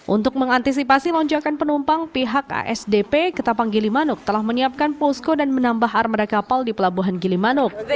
untuk mengantisipasi lonjakan penumpang pihak asdp ketapang gilimanuk telah menyiapkan posko dan menambah armada kapal di pelabuhan gilimanuk